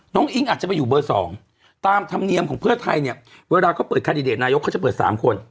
อิ๊งอาจจะไปอยู่เบอร์๒ตามธรรมเนียมของเพื่อไทยเนี่ยเวลาเขาเปิดคาดิเดตนายกเขาจะเปิด๓คน